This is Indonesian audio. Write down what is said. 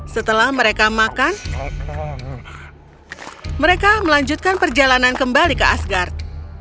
setelah mereka makan mereka melanjutkan perjalanan kembali ke asgard